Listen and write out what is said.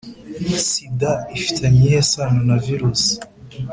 sida ifitanye iyihe sano na virusi.